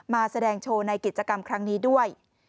มาแสดงโชว์ในกิจกรรมครั้งนี้ด้วย